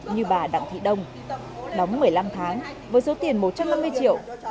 như bà đặng thị đông đóng một mươi năm tháng với số tiền một trăm năm mươi triệu